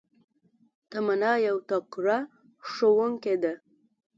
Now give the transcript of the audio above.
تمنا يو تکړه ښوونکي ده